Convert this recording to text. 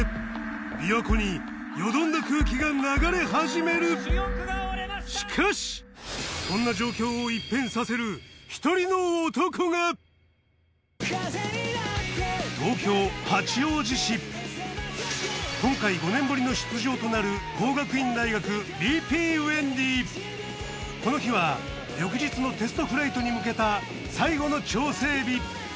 琵琶湖によどんだ空気が流れ始めるしかしそんな状況を一変させる１人の男が今回５年ぶりの出場となるこの日は翌日のテストフライトに向けた最後の調整日